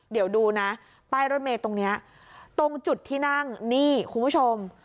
เดี๋ยวดูนะป้ายรถเมย์ตรงนี้ตรงจุดที่นั่งนี่คุณผู้ชม